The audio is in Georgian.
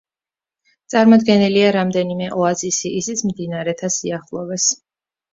წარმოდგენილია რამდენიმე ოაზისი, ისიც მდინარეთა სიახლოვეს.